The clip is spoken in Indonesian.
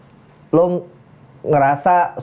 cuk alex merek meet airport com peluang pak s